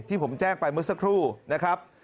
ที่ผมแจ้งไปเมื่อสักครู่นะครับ